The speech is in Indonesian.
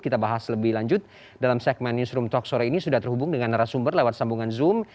kita bahas lebih lanjut dalam segmen newsroom talk sore ini sudah terhubung dengan narasumber lewat sambungan zoom